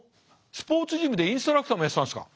スポーツジムでインストラクターもやってたんですか。